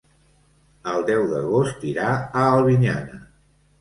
El deu d'agost irà a Albinyana.